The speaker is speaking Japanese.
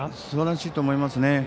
すばらしいと思いますね。